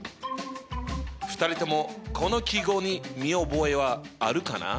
２人ともこの記号に見覚えはあるかな？